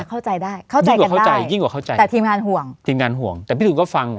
เข้าใจกันได้ยิ่งกว่าเข้าใจแต่ทีมงานห่วงแต่พี่ตูนก็ฟัง